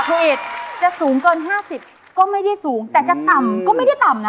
เอกจะสูงเกิน๕๐ก็ไม่ได้สูงแต่จะต่ำก็ไม่ได้ต่ำนะ